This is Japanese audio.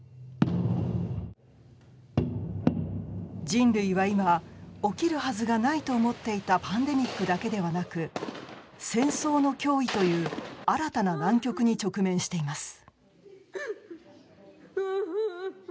人類は今起きるはずがないと思っていたパンデミックだけではなく戦争の脅威という新たな難局に直面しています。